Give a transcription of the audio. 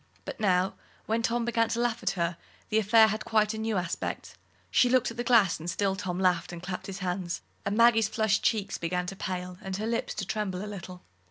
But now, when Tom began to laugh at her, the affair had quite a new aspect. She looked in the glass, and still Tom laughed and clapped his hands, and Maggie's flushed cheeks began to pale, and her lips to tremble a little.